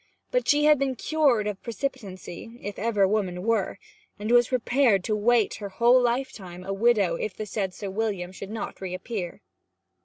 But she had been cured of precipitancy (if ever woman were), and was prepared to wait her whole lifetime a widow if the said Sir William should not reappear.